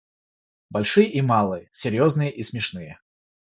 большие и малые, серьезные и смешные.